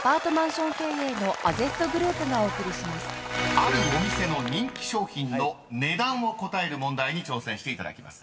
［あるお店の人気商品の値段を答える問題に挑戦していただきます。